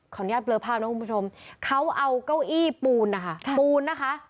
ขออนุญาตเปลื้อภาพนะคุณผู้ชมเขาเอาเก้าอี้ปูนนะคะ